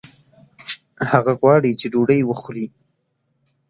هغه غواړي چې ډوډۍ وخوړي